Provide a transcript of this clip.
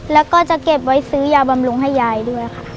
แล้วก็จะเก็บไว้ซื้อยาบำรุงให้ยายด้วยค่ะ